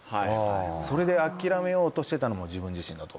それで諦めようとしてたのは自分自身だと。